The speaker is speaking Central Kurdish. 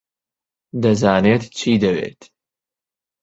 دەزانێت چی دەوێت.